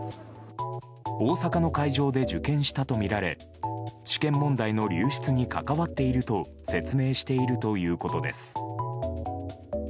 大阪の会場で受験したとみられ試験問題の流出に関わっていると説明しているということです。